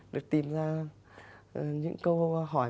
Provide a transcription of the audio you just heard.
được tìm ra những câu hỏi